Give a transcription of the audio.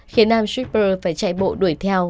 khiến nam shipper phải chạy bộ đuổi theo